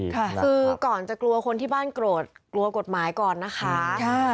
คือก่อนจะกลัวคนที่บ้านโกรธกลัวกฎหมายก่อนนะคะ